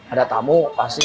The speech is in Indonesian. ada tamu pasti disini